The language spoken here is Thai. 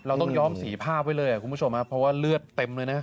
เราต้องย้อมสีภาพไว้เลยคุณผู้ชมเพราะว่าเลือดเต็มเลยนะ